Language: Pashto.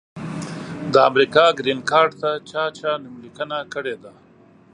د امریکا ګرین کارټ ته چا چا نوملیکنه کړي ده؟